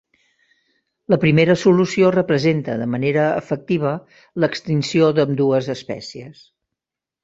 La primera solució representa de manera efectiva l'extinció d'ambdues espècies.